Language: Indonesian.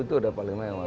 itu udah paling mewah